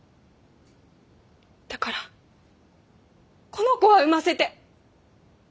だからこの子は産ませて。